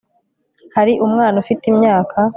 hari umwana ufite imyaka